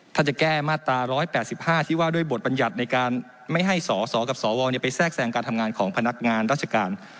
ถ้าจะแก้มาตรา๑๘๕ที่ว่าด้วยบทบัญญัติในการไม่ให้สสกับสวไปแทรกแทรงการทำงานของพนักงานราชการ